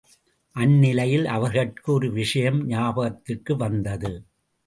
அந்நிலையில் அவர்கட்கு ஒரு விஷயம் ஞாபகத்திற்கு வந்தது.